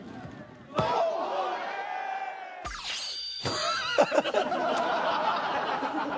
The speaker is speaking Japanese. ハハハハ！